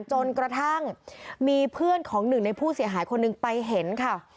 จนกระทั่งมีเพื่อนของหนึ่งในผู้เสียหายคนหนึ่งไปเห็นค่ะ